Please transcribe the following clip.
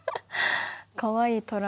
かわいいトラ。